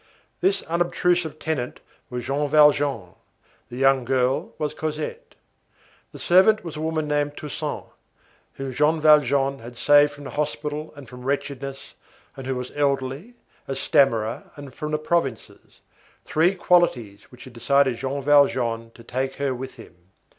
This unobtrusive tenant was Jean Valjean, the young girl was Cosette. The servant was a woman named Toussaint, whom Jean Valjean had saved from the hospital and from wretchedness, and who was elderly, a stammerer, and from the provinces, three qualities which had decided Jean Valjean to take her with him.